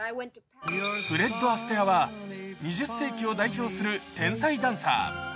フレット・アステアは、２０世紀を代表する天才ダンサー。